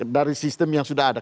dari sistem yang sudah ada